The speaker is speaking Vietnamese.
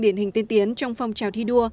điển hình tiên tiến trong phong trào thi đua